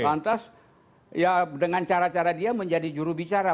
lantas ya dengan cara cara dia menjadi jurubicara